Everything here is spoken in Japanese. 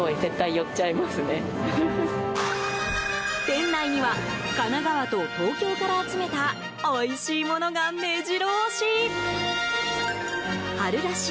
店内には神奈川と東京から集めたおいしいものが目白押し。